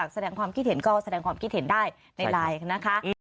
แสดงความคิดเห็นก็แสดงความคิดเห็นได้ในไลน์นะคะ